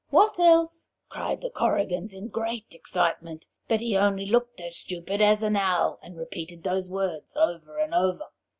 what else?' cried the Korrigans in great excitement, but he only looked as stupid as an owl, and repeated these words over and over.